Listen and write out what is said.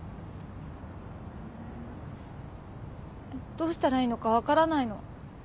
どうしたらいいのか分からないの。